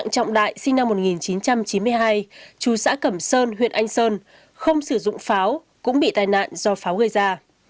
chú xã cẩm sơn huyện anh sơn không sử dụng pháo cũng bị tai nạn do pháo gây ra